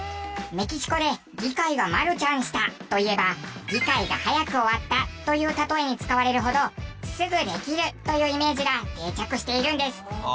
メキシコで「議会がマルちゃんした」といえば議会が早く終わったという例えに使われるほどすぐできるというイメージが定着しているんです。